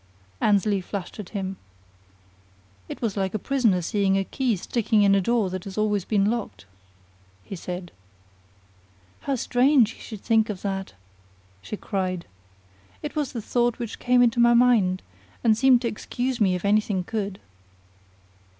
Annesley flashed at him. "It was like a prisoner seeing a key sticking in a door that has always been locked," he said. "How strange you should think of that!" she cried. "It was the thought which came into my mind, and seemed to excuse me if anything could."